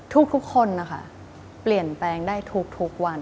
ทุกคนนะคะเปลี่ยนแปลงได้ทุกวัน